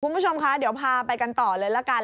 คุณผู้ชมคะเดี๋ยวพาไปกันต่อเลยละกัน